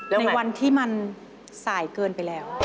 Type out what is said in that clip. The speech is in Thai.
ในวันที่มันสายเกินไปแล้ว